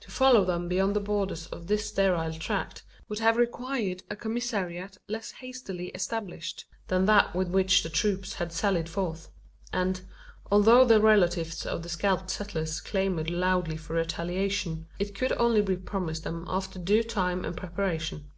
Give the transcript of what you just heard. To follow them beyond the borders of this sterile tract would have required a commissariat less hastily established than that with which the troops had sallied forth; and, although the relatives of the scalped settlers clamoured loudly for retaliation, it could only be promised them after due time and preparation.